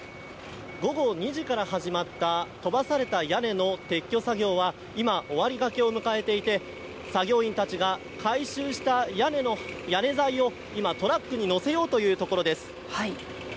午後２時から始まった飛ばされた屋根の撤去作業は今、終わり掛けを迎えていて作業員たちが回収した屋根の屋根材を今、トラックに載せようというところです。